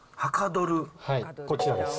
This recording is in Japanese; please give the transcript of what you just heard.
こちらです。